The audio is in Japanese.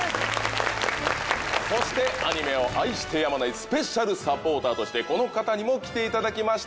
そしてアニメを愛してやまないスペシャルサポーターとしてこの方にも来ていただきました。